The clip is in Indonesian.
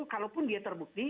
kalaupun dia terbukti